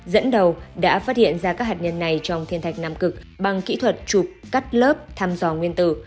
dẫn đầu đã phát hiện ra các hạt nhân này trong thiên thạch nam cực bằng kỹ thuật chụp cắt lớp thăm dò nguyên tử